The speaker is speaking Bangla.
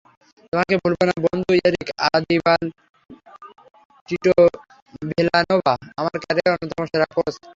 তোমাকে ভুলব না, বন্ধুএরিক আবিদাল টিটো ভিলানোভা আমার ক্যারিয়ারের অন্যতম সেরা কোচ।